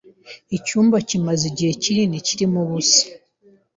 Icyumba kimaze igihe kinini kirimo ubusa.